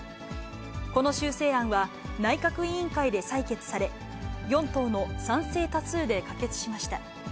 この修正案は、内閣委員会で採決され、４党の賛成多数で可決しました。